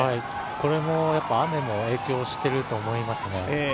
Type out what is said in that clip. これも雨影響していると思います。